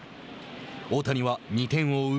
大谷は２点を追う